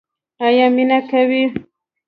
ایا مینه کوئ؟